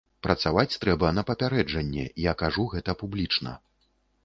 Працаваць трэба на папярэджанне, я кажу гэта публічна.